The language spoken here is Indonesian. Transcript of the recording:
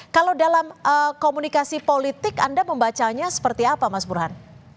kalau dalam komunikasi politik anda membacanya seperti apa mas burhan